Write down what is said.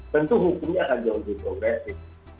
tentu hukumnya akan jauh lebih progresif